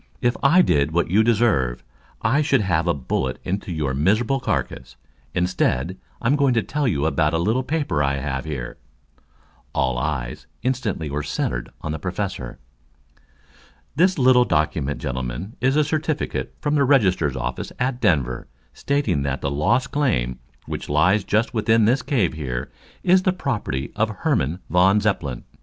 "If I did what you deserve, I should send a bullet into your miserable carcass. Instead I'm going to tell you about a little paper I have here." All eyes instantly were centered on the Professor. "This little document, gentlemen, is a certificate from the register's office at Denver, stating that the Lost Claim, which lies just within this cave here, is the property of Herman von Zepplin.